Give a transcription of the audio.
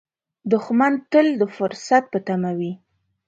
دښمن تل د فرصت په تمه وي